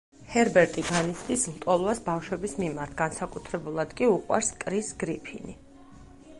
ჰერბერტი განიცდის ლტოლვას ბავშვების მიმართ, განსაკუთრებულად კი უყვარს კრის გრიფინი.